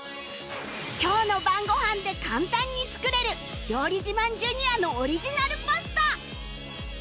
今日の晩ご飯で簡単に作れる料理自慢 Ｊｒ． のオリジナルパスタ